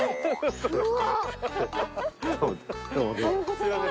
すいません。